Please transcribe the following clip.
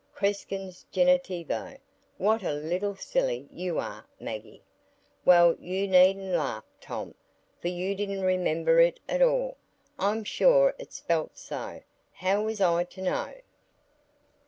"Creskens genittivo! What a little silly you are, Maggie!" "Well, you needn't laugh, Tom, for you didn't remember it at all. I'm sure it's spelt so; how was I to know?"